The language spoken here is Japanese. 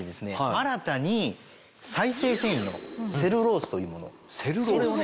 新たに再生繊維のセルロースというものそれをね